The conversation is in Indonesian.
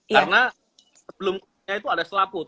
karena sebelum itu ada selaput